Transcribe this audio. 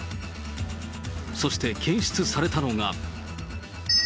そして検出されたのが。